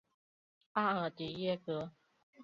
阿尔迪耶格。